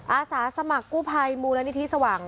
อาสาสมัครกู้ภัยมูลนิธิสว่าง